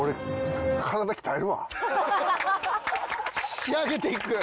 仕上げていく？